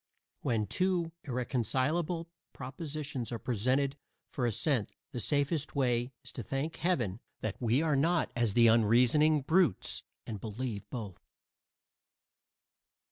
When two irreconcilable propositions are presented for assent the safest way is to thank Heaven that we are not as the unreasoning brutes, and believe both.